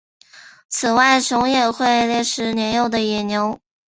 此外熊也会猎食年幼的野牛。